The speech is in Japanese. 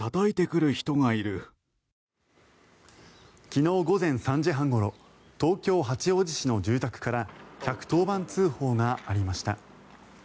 昨日午前３時半ごろ東京・八王子市の住宅から１１０番通報がありました。